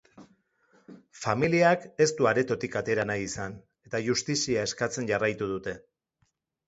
Familiak ez du aretotik atera nahi izan, eta justizia eskatzen jarraitu dute.